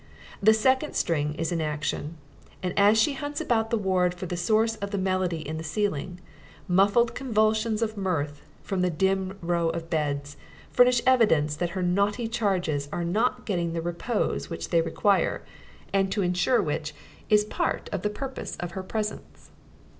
The second string is in action; and as she hunts about the ward for the source of the melody in the ceiling, muffled convulsions of mirth, from the dim rows of beds, furnish evidence that her naughty charges are not getting the repose which they require and to ensure which is part of the purpose of her presence.